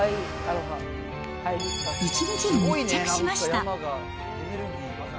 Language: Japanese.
一日に密着しました。